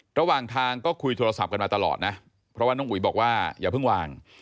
ระหว่างทางก็คุยโทรศัพท์กันมาตลอดนะเพราะว่าน้องอุ๋ยบอกว่าอย่าเพิ่งวาง